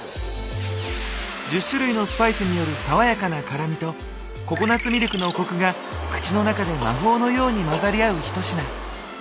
１０種類のスパイスによる爽やかな辛みとココナツミルクのコクが口の中で魔法のように混ざり合う一品。